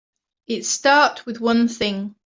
It start with one thing.